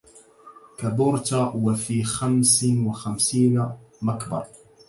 كبرت وفي خمس وخمسين مكبر